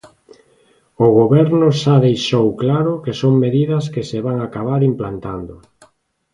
O Goberno xa deixou claro que son medidas que se van acabar implantando.